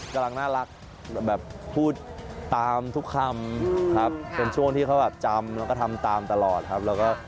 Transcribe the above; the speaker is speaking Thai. กำลังน่ารักแบบพูดตามทุกคำครับเป็นช่วงที่เขาแบบจำแล้วก็ทำตามตลอดครับ